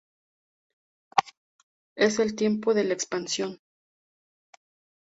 Es el tiempo de la expansión.